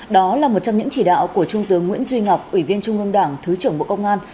đó là một trong những chỉ đạo của trung tướng nguyễn duy ngọc ủy viên trung ương đảng thứ trưởng bộ công an